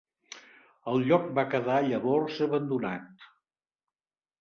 El lloc va quedar llavors abandonat.